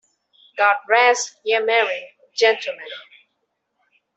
God rest ye merry, gentlemen.